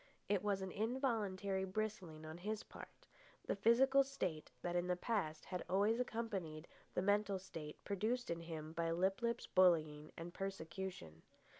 It was an involuntary bristling on his part, the physical state that in the past had always accompanied the mental state produced in him by Lip lip's bullying and persecution.